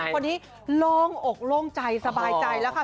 คนนี้โล่งอกโล่งใจสบายใจแล้วค่ะ